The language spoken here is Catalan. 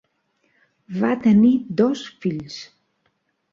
Va tenir dos fills.